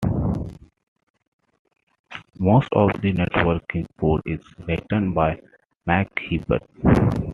Most of the networking code is written by Mike Hibbett.